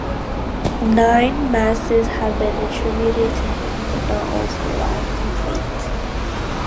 Nine masses have been attributed to him, but not all survive complete.